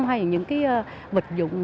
hay những cái vịt dụng đó